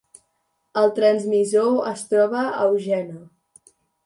El transmissor es troba a Eugene.